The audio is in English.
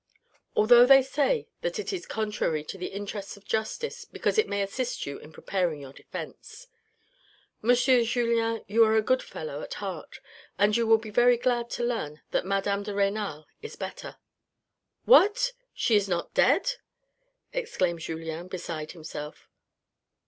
Although they say that it is contrary to the interests of justice, because it may assist you in preparing your defence. M. Julien you are a good fellow at heart, and you will be very glad to learn that madame de Renal is better." "What! she is not dead?" exclaimed Julien, beside himself.